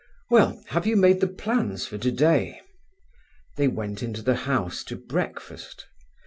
Well, have you made the plans for today?" They went into the house to breakfast.